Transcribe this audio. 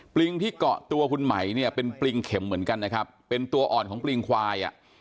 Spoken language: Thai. ลิงที่เกาะตัวคุณไหมเนี่ยเป็นปริงเข็มเหมือนกันนะครับเป็นตัวอ่อนของปริงควายอ่ะ